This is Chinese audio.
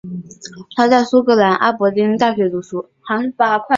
他在苏格兰阿伯丁大学读书。